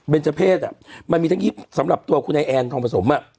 เบนเจอร์เพศมามีทั้ง๒๕สำหรับคุณไอแอนทองผสม